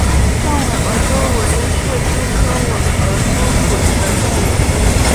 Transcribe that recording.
壮吻额蛛为皿蛛科吻额蛛属的动物。